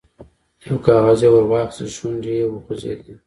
یو کاغذ ور واخیست، شونډې یې وخوځېدې.